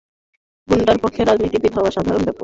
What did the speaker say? গুন্ডার পক্ষে রাজনীতিবিদ হওয়া সাধারণ ব্যাপার।